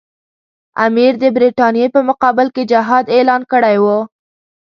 امیر د برټانیې په مقابل کې جهاد اعلان کړی وو.